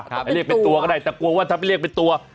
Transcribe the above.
ไปเรียกเป็นตัวก็ได้แต่กลัวว่าถ้าไปเรียกเป็นตัว